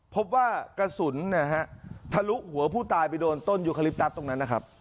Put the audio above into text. พบว่ากระสุนนะฮะทะลุหัวผู้ตายไปโดนต้นยุคลิปตัสตรงนั้นนะครับ